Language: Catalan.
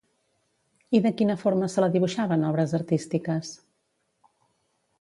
I de quina forma se la dibuixava en obres artístiques?